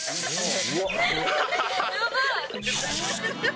やばい。